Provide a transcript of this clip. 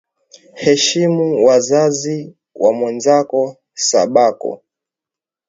Heshimu wa zazi wa mwenzako sa bako